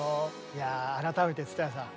いや改めて蔦谷さん。